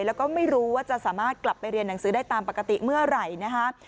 แล้วก็ไม่รู้ว่าจะสามารถกลับไปเรียนหนังสือได้ตามปกติเมื่อไหร่นะคะ